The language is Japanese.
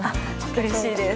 うれしいです。